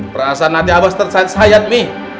perasaan hati abah seter set sayat nih